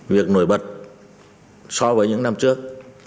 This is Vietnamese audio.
việc nổi bật so với những năm trước